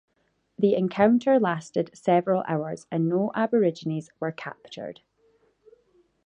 The encounter lasted several hours, and no Aborigines were captured.